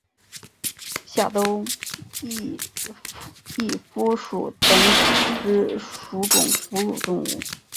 小兜翼蝠属等之数种哺乳动物。